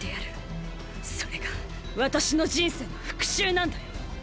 それが私の人生の復讐なんだよ！！